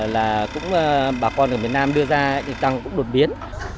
là cũng bà con ở việt nam đưa ra thì tăng cũng đột biến